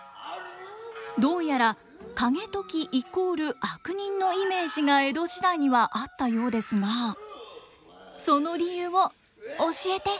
どうやら景時イコール悪人のイメージが江戸時代にはあったようですがその理由を教えて！